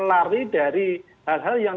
lari dari hal hal yang